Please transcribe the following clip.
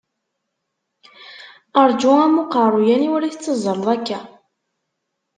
Rǧu am uqerruy, aniwer i tettazzaleḍ akka?